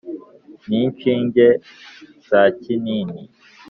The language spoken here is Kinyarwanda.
n'inshinge za kinini.